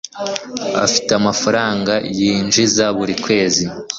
Afite amafaranga yinjiza buri kwezi.